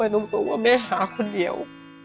แล้วลูกก็ถามว่าทำไมไม่ให้หนูไปโรงเรียน